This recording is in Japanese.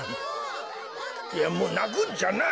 いやもうなくんじゃない。